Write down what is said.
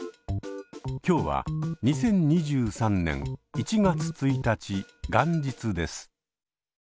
今日は２０２３年１月１日元日です。